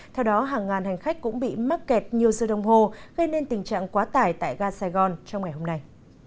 theo đó hàng ngàn hành khách cũng bị mắc kẹt nhiều giờ đồng hồ gây nên tình trạng quá tải tại ga sài gòn trong ngày hôm nay